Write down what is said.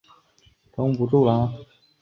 恩特罗讷新堡人口变化图示